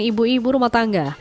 ibu ibu rumah tangga